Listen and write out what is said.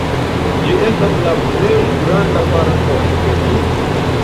Ĝi estas la plej granda parko en Pekino.